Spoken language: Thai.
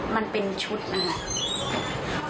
มันเป็นชุดนะคะ